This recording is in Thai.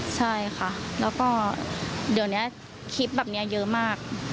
ใช่ค่ะแล้วก็เดี๋ยวนี้คลิปแบบนี้เยอะมาก